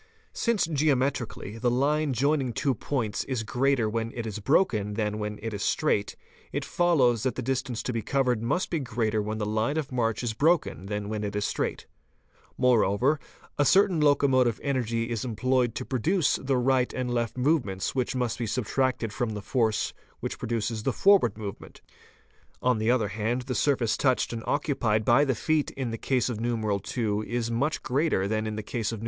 'Since geometrically the line joining two points is greater when it is broken than when it is straight, 1t follows that the distance to be covered must be greater when the line of march is broken than when it is straight. Moreover a certain locomotive energy 1s emploved to produce the right and left movement which must be subtracted from the force which produces the forward movement; on the other hand the surface touched and occupied by the feet in the case of II. is much greater than in the case of I.